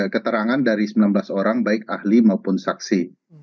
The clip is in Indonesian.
keterangan dari sembilan belas orang baik ahli maupun saksi